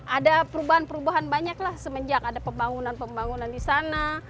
ada perubahan perubahan banyak lah semenjak ada pembangunan pembangunan di sana